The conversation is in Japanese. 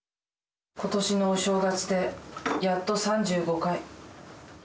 今年のお正月でやっと３５回。